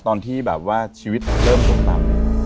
ตอนที่แบบว่าชีวิตเริ่มตกต่ำ